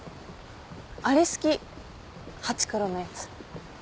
あれ好き『ハチクロ』のやつ。